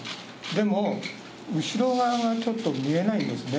でも、後ろ側はちょっと見えないですね。